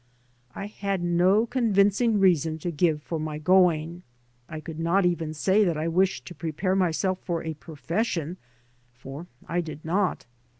I had no con vincing reason to g^ve for my going. I could not even say that I wished to prepare myself for a profession, for I did not.